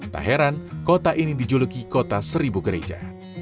tak heran kota ini dijuluki kota seribu gereja